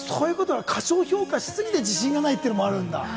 過小評価しすぎて自信がないというのもあるんだ。